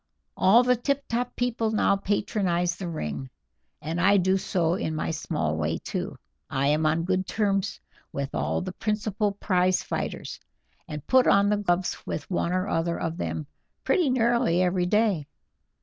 All the tip top people now patronize the ring, and I do so in my small way too. I am on good terms with all the principal prize fighters, and put on the gloves with one or other of them pretty nearly every day.